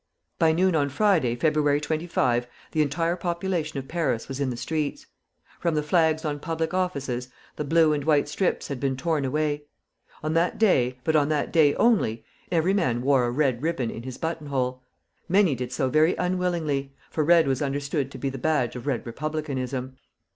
By noon on Friday, February 25, the entire population of Paris was in the streets. From the flags on public offices, the blue and white strips had been tom away. On that day but on that day only every man wore a red ribbon in his button hole. Many did so very unwillingly, for red was understood to be the badge of Red Republicanism.